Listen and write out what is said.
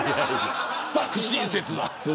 不親切な。